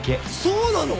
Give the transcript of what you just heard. そうなの！？